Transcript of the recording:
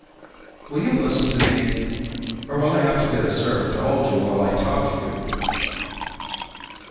"Will you listen to me or will I have to get a servant to hold you while I talk to you?"